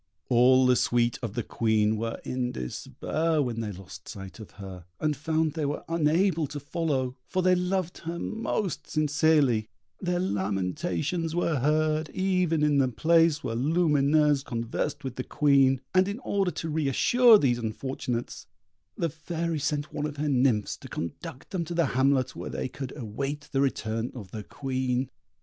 All the suite of the Queen were in despair when they lost sight of her, and found they were unable to follow, for they loved her most sincerely; their lamentations were heard even in the place where Lumineuse conversed with the Queen, and in order to re assure these unfortunates, the Fairy sent one of her nymphs to conduct them to the hamlet, where they could await the return of the Queen.